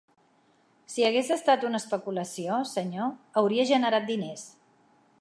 Si hagués estat una especulació, senyor, hauria generat diners.